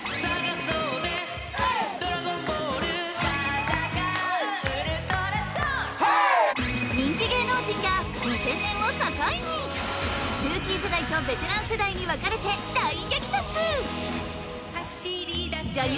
ソウル人気芸能人が２０００年を境にルーキー世代とベテラン世代に分かれて大激突女優